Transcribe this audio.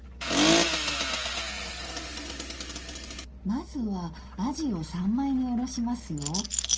まずはあじを三枚におろしますよ！